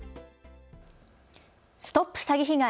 ＳＴＯＰ詐欺被害！